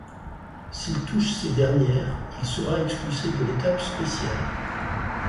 S'il touche ces dernières, il sera expulsé de l'étape spéciale.